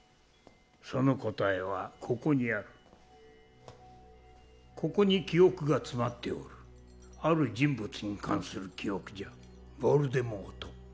その答えはここにあるここに記憶が詰まっておるある人物に関する記憶じゃヴォルデモート